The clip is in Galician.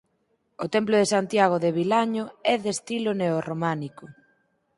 O templo de Santiago de Vilaño é de estilo neorrománico.